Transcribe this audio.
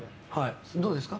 どうですか？